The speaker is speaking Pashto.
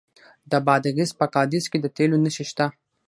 د بادغیس په قادس کې د تیلو نښې شته.